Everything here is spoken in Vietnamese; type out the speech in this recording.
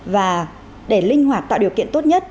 và để linh hoạt tạo điều kiện tốt nhất